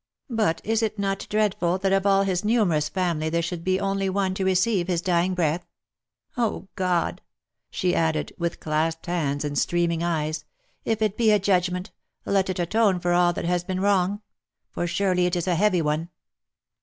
But is it not dreadful that of all his numerous family there should be only one to receive his dying breath ? O God !" she added with clasped hands and streaming eyes, i( if it be a judgment, let it atone for all that has been wrong ! For surely it is a heavy one